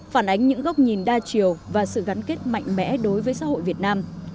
phản ánh những góc nhìn đa chiều và sự gắn kết mạnh mẽ đối với xã hội việt nam